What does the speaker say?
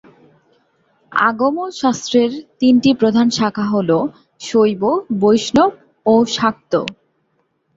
আগম শাস্ত্রের তিনটি প্রধান শাখা হল শৈব, বৈষ্ণব ও শাক্ত।